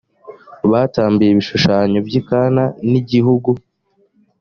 batambiye ibishushanyo by i kan ni igihugu